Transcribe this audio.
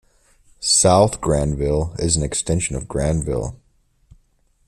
South Granville is an extension of Granville.